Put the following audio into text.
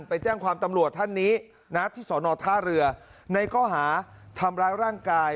ไปแจ้งความตำรวจท่านนี้นะที่สอนอท่าเรือในข้อหาทำร้ายร่างกาย